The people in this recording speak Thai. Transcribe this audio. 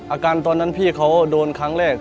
อาการตอนนั้นพี่เขาโดนครั้งแรก